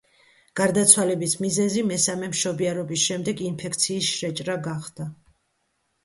გარდაცვალების მიზეზი მესამე მშობიარობის შემდეგ ინფექციის შეჭრა გახდა.